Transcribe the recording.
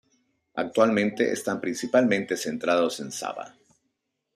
Actualmente están principalmente centrados en Sabha.